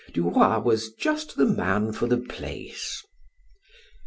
Duroy was just the man for the place.